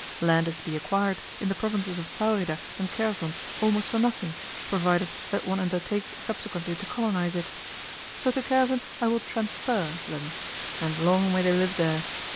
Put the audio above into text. Land is to be acquired in the provinces of Taurida and Kherson almost for nothing, provided that one undertakes subsequently to colonise it; so to Kherson I will 'transfer' them, and long may they live there!